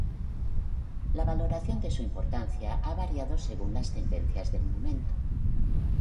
La valoración de su importancia ha variado según las tendencias del momento.